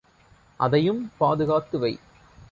அதையும் பாதுகாத்து வை.